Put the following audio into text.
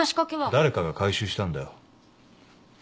誰かが回収したんだよ。